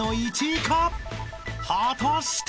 ［果たして？］